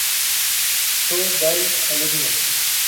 To dai: alumno.